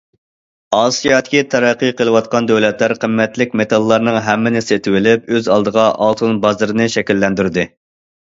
ئاسىيادىكى تەرەققىي قىلىۋاتقان دۆلەتلەر قىممەتلىك مېتاللارنىڭ ھەممىنى سېتىۋېلىپ ئۆز ئالدىغا ئالتۇن بازىرىنى شەكىللەندۈردى.